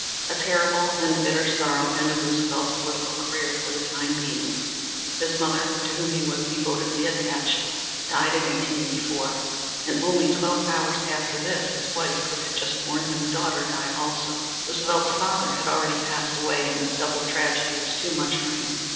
A terrible and bitter sorrow ended Roosevelt's political career for the time being. His mother, to whom he was devotedly attached, died in 1884, and only twelve hours after this his wife, who had just borne him a daughter, died also. Roosevelt's father had already passed away, and this double tragedy was too much for him.